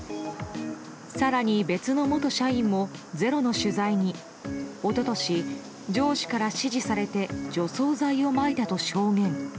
更に、別の元社員も「ｚｅｒｏ」の取材に一昨年、上司から指示されて除草剤をまいたと証言。